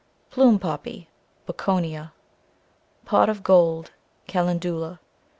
Plume Poppy, 41 Bocconia. Pot of Gold, 44 Calendula.